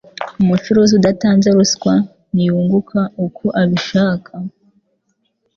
umucuruzi udatanze ruswa ntiyunguka uko abishaka